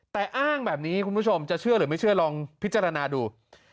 แต่อ้างแบบนี้คุณผู้ชมจะเชื่อหรือไม่เชื่อลองพิจารณาดู